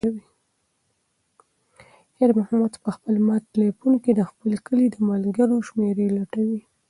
خیر محمد په خپل مات تلیفون کې د خپل کلي د ملګرو شمېرې لټولې.